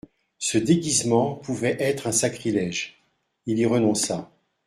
Ce déguisement pouvait être un sacrilège ; il y renonça.